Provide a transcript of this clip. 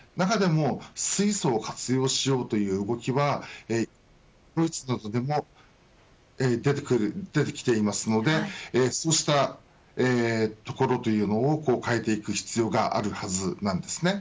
水素を活用するという動きはドイツなどでも出てきていますのでそうしたところを変えていく必要があるはずです。